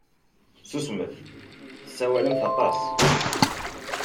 Susmemt! Tessawalemt aṭas.